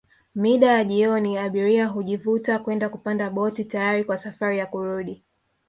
Mida ya jioni abiria hujivuta kwenda kupanda boti tayari kwa safari ya kurudi